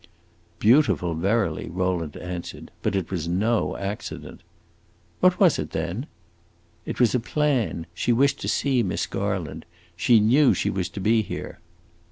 "Beautiful, verily!" Rowland answered. "But it was no accident." "What was it, then?" "It was a plan. She wished to see Miss Garland. She knew she was to be here."